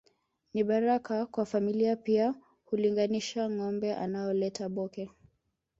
Ni baraka kwa familia pia hulinganisha ngombe anaoleta Bhoke